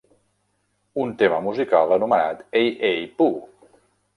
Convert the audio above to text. Un tema musical anomenat Ei Ei Puh!